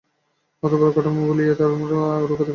অতবড় কাঠামো বলিয়া আরও তাকে রোগা দেখায়।